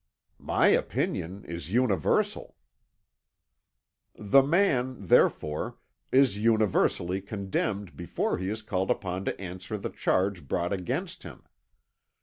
"My opinion is universal." "The man, therefore, is universally condemned before he is called upon to answer the charge brought against him.